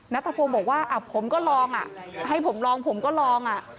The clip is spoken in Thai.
นัทพงศ์บอกว่าผมก็ลองให้ผมลองผมก็ลอง